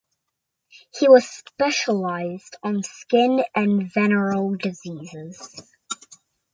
He was specialized on skin and venereal diseases.